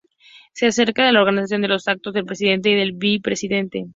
Se encarga de la organización de los actos del Presidente y del Vicepresidente.